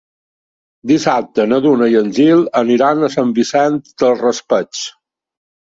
Dissabte na Duna i en Gil aniran a Sant Vicent del Raspeig.